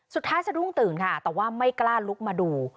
สะดุ้งตื่นค่ะแต่ว่าไม่กล้าลุกมาดู